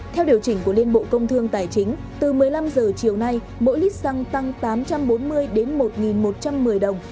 theo điều chỉnh của liên bộ công thương tài chính từ một mươi năm h chiều nay mỗi lít xăng tăng tám trăm bốn mươi đến một một trăm một mươi đồng